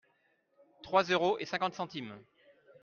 Trois euros et cinquante centimes.